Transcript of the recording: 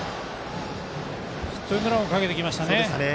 ヒットエンドランをかけてきましたね。